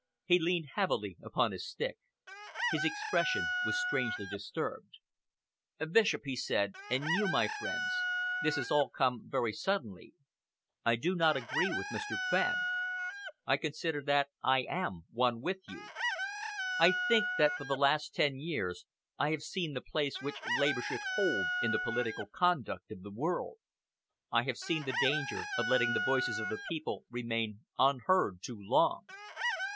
He leaned heavily upon his stick. His expression was strangely disturbed. "Bishop," he said, "and you, my friends, this has all come very suddenly. I do not agree with Mr. Fenn. I consider that I am one with you. I think that for the last ten years I have seen the place which Labour should hold in the political conduct of the world. I have seen the danger of letting the voice of the people remain unheard too long.